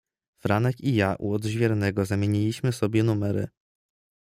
"Franek i ja u odźwiernego zamieniliśmy sobie numery“."